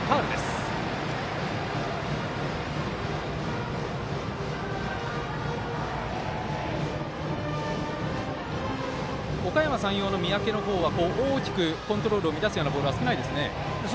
おかやま山陽の三宅の方は大きくコントロールを乱すようなボールは少ないですね。